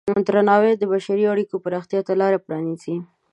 درناوی د بشري اړیکو پراختیا ته لاره پرانیزي.